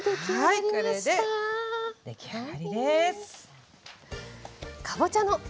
はいこれで出来上がりです。